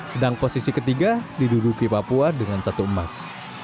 sedang posisi ke tiga diduduki papua dengan satu emas